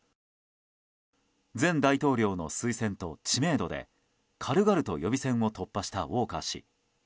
前大統領の推薦と知名度で軽々と予備選を突破したウォーカー氏。